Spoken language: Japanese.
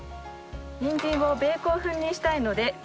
にんじんをベーコン風にしたいのでなるほどね。